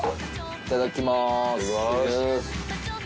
いただきます。